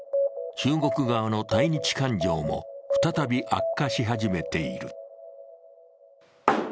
中国側の対日感情も再び悪化し始めている。